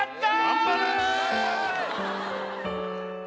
頑張れ！